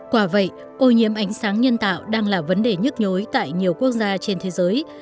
quả vậy ô nhiễm ánh sáng nhân tạo đang là vấn đề nhức nhối tại nhiều quốc gia trên thế giới